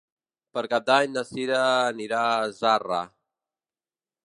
Per Cap d'Any na Cira anirà a Zarra.